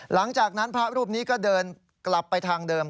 หลังจากนั้นพระรูปนี้ก็เดินกลับไปทางเดิม